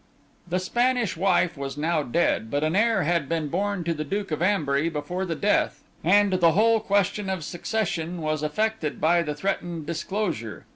The Spanish wife was now dead, but an heir had been born to the Duke of Ambury before the death, and the whole question of succession was affected by the threatened disclosure.